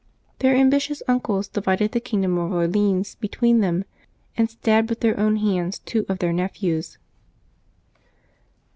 Their ambitious uncles divided the kingdom of Orleans between them, and stabbed with their own hands two of their nephews.